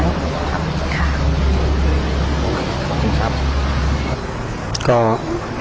ขอบคุณครับ